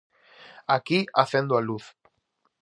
Aquí acendo a luz.